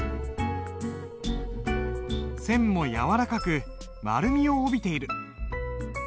線も柔らかく丸みを帯びている。